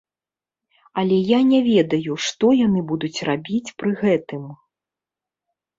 Але я не ведаю, што яны будуць рабіць пры гэтым.